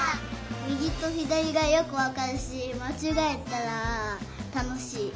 みぎとひだりがよくわかるしまちがえたらたのしい。